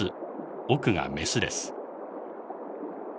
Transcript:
奥がメスです。